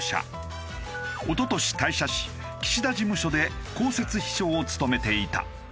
一昨年退社し岸田事務所で公設秘書を務めていた。